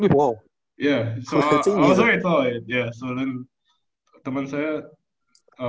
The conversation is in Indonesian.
yeah so then teman saya